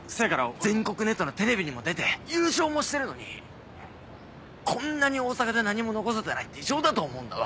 全国ネットのテレビにも出て優勝もしてるのにこんなに大阪で何も残せてないって異常だと思うんだわ。